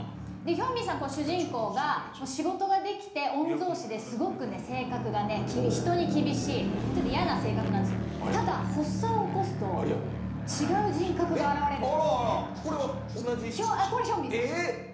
ヒョンビンさん、主人公が仕事ができて御曹司で、すごく性格がね、人に厳しいちょっと嫌な性格なんですよ、ただ発作を起こすと違う人格が現れる。